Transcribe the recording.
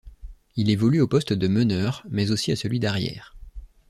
Il évolue au poste de meneur mais aussi à celui d'arrière.